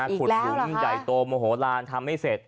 อีกแล้วหรอคะขุดหลุมใหญ่โตโมโหลานทำไม่เสร็จ